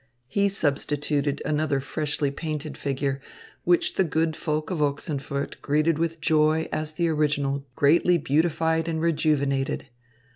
He substituted another freshly painted figure, which the good folk of Ochsenfurt greeted with joy as the original greatly beautified and rejuvenated.